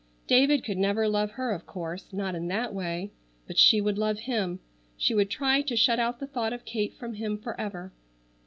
David could never love her of course, not in that way, but she would love him. She would try to shut out the thought of Kate from him forever.